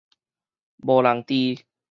無人佇